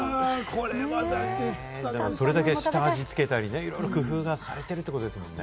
それだけ下味つけたり、いろいろ工夫がされてるってことですもんね。